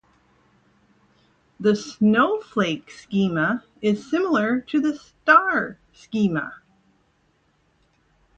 The snowflake schema is similar to the star schema.